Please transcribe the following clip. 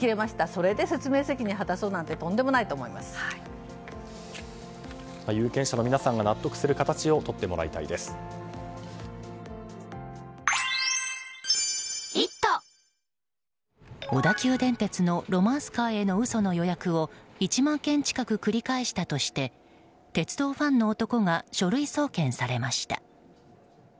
それで説明責任を果たそうなんて有権者の皆さんが納得する形を小田急電鉄のロマンスカーへの嘘の予約を１万件近く繰り返したとして鉄道ファンの男が書類送検されました。